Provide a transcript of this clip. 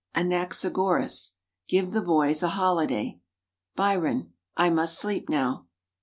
Anaxagoras. "Give the boys a holiday." Byron. "I must sleep now."